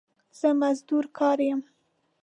زه مزدور کار يم